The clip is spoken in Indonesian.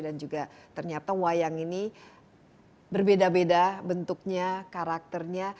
dan juga ternyata wayang ini berbeda beda bentuknya karakternya